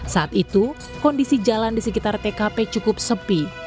saat itu kondisi jalan di sekitar tkp cukup sepi